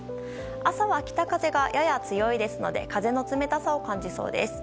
朝は北風がやや強いですので風の冷たさを感じそうです。